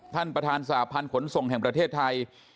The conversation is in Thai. ท่านประธานสหพันธ์ขนส่งแห่งประเทศไทย